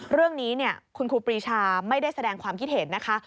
เรื่องนี้คุณครูปรีชาไม่ได้แสดงความคิดเห็นนะคะ